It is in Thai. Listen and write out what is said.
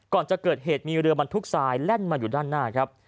ก่อนจะเกิดเหตุมีเรือบรรทุกทรายแล่นมาอยู่ด้านหน้าครับ